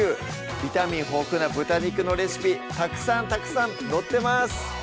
ビタミン豊富な豚肉のレシピたくさんたくさん載ってます